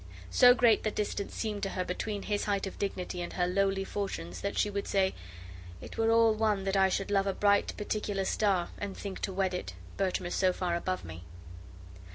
So great the distance seemed to her between his height of dignity and her lowly fortunes that she would say: "It were all one that I should love a bright particular star, and think to wed it, Bertram is so far above me."